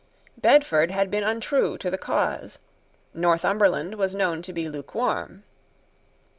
Bedford had been untrue to the cause. Northumberland was known to be lukewarm.